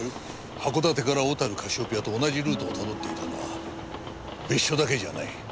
函館から小樽カシオペアと同じルートをたどっていたのは別所だけじゃない。